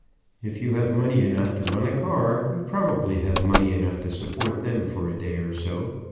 If you have money enough to run a car, you probably have money enough to support them for a day or so.